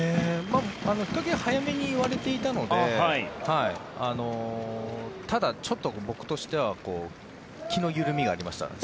早めに言われていたのでただちょっと僕としては気の緩みがありました。